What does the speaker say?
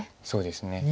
そうですね。